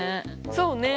そうね。